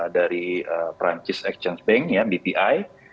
dari perancis exchange bank ya bpi